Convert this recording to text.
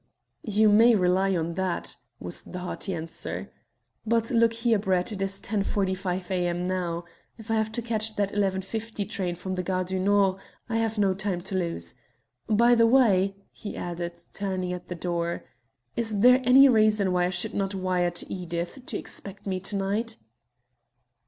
"You may rely on that," was the hearty answer. "But look here, Brett. It is 10.45 a.m. now. If I have to catch that 11.50 train from the Gare du Nord I have no time to lose. By the way," he added, turning at the door, "is there any reason why I should not wire to Edith to expect me to night?"